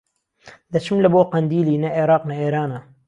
دەچم لە بۆ قەندیلی نە ئێراق نە ئێرانە